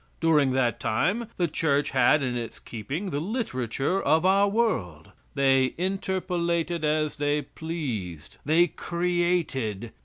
During that time the Church had in its keeping the literature of our world. They interpolated as they pleased. They created.